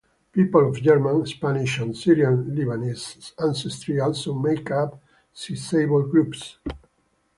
People of German, Spanish, and Syrian-Lebanese ancestries also make up sizeable groups.